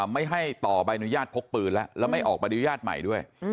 ไม่ให้ต่อใบอนุญาตพกปืนแล้วแล้วไม่ออกใบอนุญาตใหม่ด้วย